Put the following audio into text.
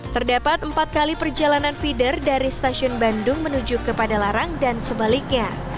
terdapat empat kali perjalanan feeder dari stasiun bandung menuju ke padalarang dan sebaliknya